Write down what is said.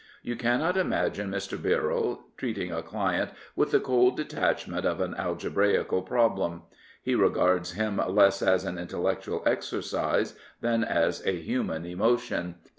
You cannot imagine Mr. Birrell treating a client with the cold detachment of an algebraical problem. He regards him less as an intellectual exercise than as a human emotion.